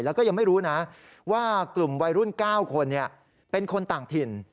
แล้วก็ยังไม่รู้นะว่ากลุ่มวัยรุ่น๙คนเป็นคนต่างถิ่น